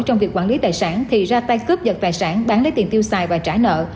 trong việc quản lý tài sản thì ra tay cướp giật tài sản bán lấy tiền tiêu xài và trả nợ